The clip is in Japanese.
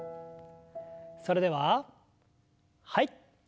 それでははい。